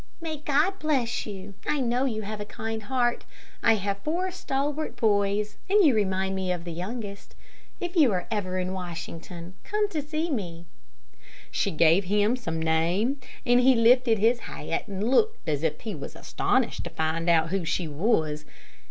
"May God bless you. I know you have a kind heart. I have four stalwart boys, and you remind me of the youngest. If you are ever in Washington come to see me." She gave him some name, and he lifted his hat and looked as if he was astonished to find out who she was.